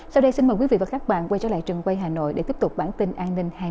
sau đây xin mời quý vị và các bạn quay trở lại trường quay hà nội để tiếp tục bản tin an ninh hai mươi bốn h